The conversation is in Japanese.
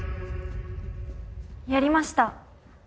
やりました。